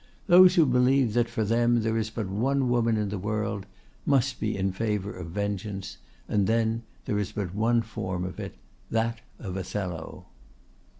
Those who believe that for them there is but one woman in the world must be in favor of vengeance, and then there is but one form of it—that of Othello.